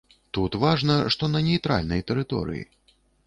Тут важна, што на нейтральнай тэрыторыі.